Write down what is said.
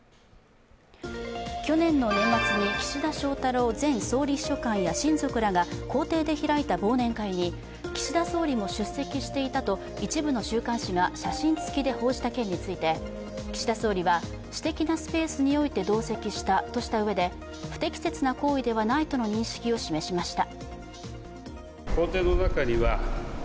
去年の年末に岸田翔太郎前総理秘書官や親族らが公邸で開いた忘年会に、岸田総理も出席していたと一部の週刊誌が写真つきで報じた件について岸田総理は、私的なスペースにおいて同席したとしたうえで不適切な行為ではないとの認識を示しました。